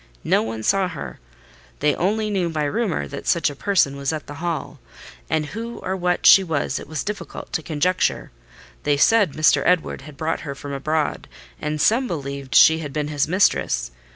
No one saw her: they only knew by rumour that such a person was at the Hall; and who or what she was it was difficult to conjecture. They said Mr. Edward had brought her from abroad, and some believed she had been his mistress.